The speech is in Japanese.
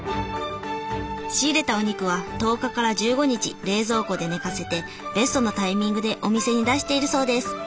仕入れたお肉は１０日から１５日冷蔵庫で寝かせてベストなタイミングでお店に出しているそうです。